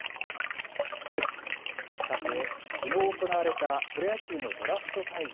さて、きのう行われたプロ野球のドラフト会議。